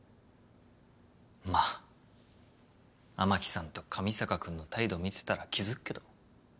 まあ雨樹さんと上坂君の態度見てたら気付くけど。